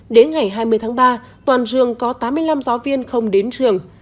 đến ngày hai mươi tháng ba toàn trường có tám mươi năm giáo viên không đến trường